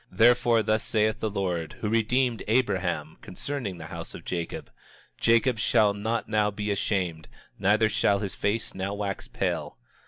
27:33 Therefore, thus saith the Lord, who redeemed Abraham, concerning the house of Jacob: Jacob shall not now be ashamed, neither shall his face now wax pale.